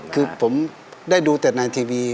คือผมได้ดูแต่ในทีวี